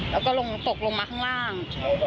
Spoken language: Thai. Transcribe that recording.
แล้วก็ลงตกลงมาข้างล่าง